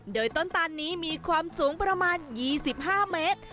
โดยต้นตานนี้มีความสูงประมาณ๒๕เมตร